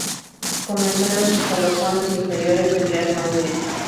Comenzó en los escalafones inferiores del Real Madrid.